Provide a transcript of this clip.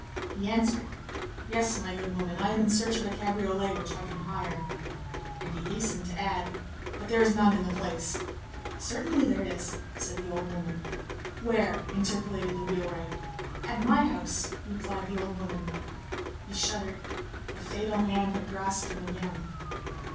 He answered:— "Yes, my good woman; I am in search of a cabriolet which I can hire." And he hastened to add:— "But there is none in the place." "Certainly there is," said the old woman. "Where?" interpolated the wheelwright. "At my house," replied the old woman. He shuddered. The fatal hand had grasped him again.